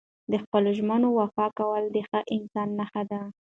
د خپلو ژمنو وفا کول د ښه انسان نښه ده.